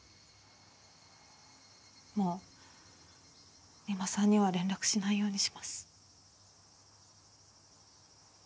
もう三馬さんには連絡しないようにします。